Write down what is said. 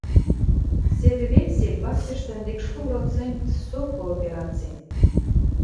Седӹ вексель партьышты ӹндекшлу процент со кооперацин.